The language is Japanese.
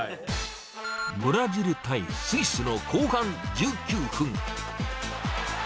ブラジル対スイスの後半１９分。